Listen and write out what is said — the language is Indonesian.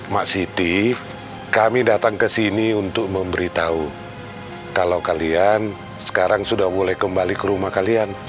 mak siti kami datang ke sini untuk memberitahu kalau kalian sekarang sudah mulai kembali ke rumah kalian